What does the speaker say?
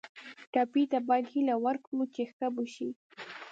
ټپي ته باید هیله ورکړو چې ښه به شي.